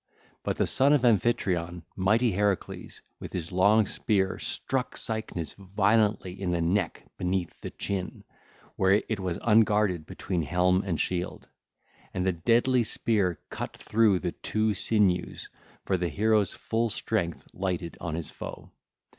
But the son of Amphitryon, mighty Heracles, with his long spear struck Cycnus violently in the neck beneath the chin, where it was unguarded between helm and shield. And the deadly spear cut through the two sinews; for the hero's full strength lighted on his foe.